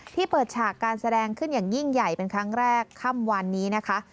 เปิดฉากการแสดงขึ้นอย่างยิ่งใหญ่เป็นครั้งแรกค่ำวันนี้นะคะ